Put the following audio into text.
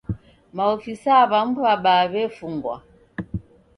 Maofisaa w'amu w'abaa w'efungwa.